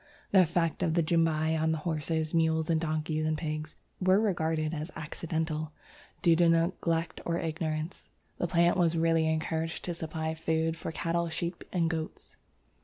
The effects of the Jumbai on horses, mules, donkeys, and pigs were regarded as accidental due to neglect or ignorance. The plant was really encouraged to supply food for cattle, sheep, and goats.